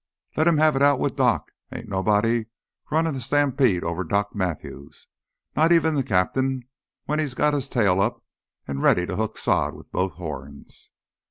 "Let him have it out with Doc. Ain't nobody runnin' a stampede over Doc Matthews, not even th' cap'n when he's got his tail up an' ready to hook sod with both horns.